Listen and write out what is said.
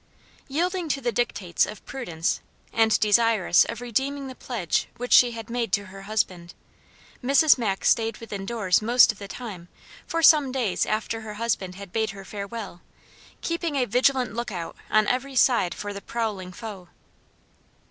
Yielding to the dictates of prudence and desirous of redeeming the pledge which she had made to her husband, Mrs. Mack stayed within doors most of the time for some days after her husband had bade her farewell, keeping a vigilant look out on every side for the prowling foe.